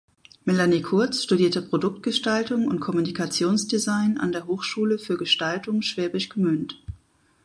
Melanie Kurz studierte Produktgestaltung und Kommunikationsdesign an der Hochschule für Gestaltung Schwäbisch Gmünd.